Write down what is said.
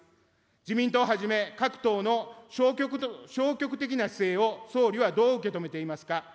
自民党はじめ、各党の消極的な姿勢を総理はどう受け止めていますか。